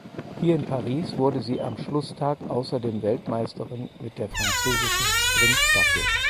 Hier in Paris wurde sie am Schlusstag außerdem Weltmeisterin mit der französischen Sprintstaffel.